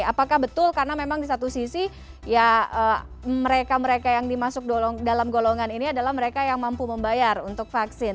apakah betul karena memang di satu sisi ya mereka mereka yang dimasuk dalam golongan ini adalah mereka yang mampu membayar untuk vaksin